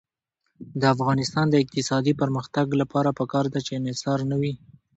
د افغانستان د اقتصادي پرمختګ لپاره پکار ده چې انحصار نه وي.